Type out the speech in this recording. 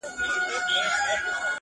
ویل راسه پر لېوه پوښتنه وکه!!